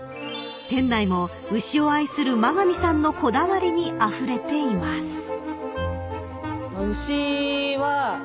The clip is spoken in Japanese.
［店内も牛を愛する馬上さんのこだわりにあふれています］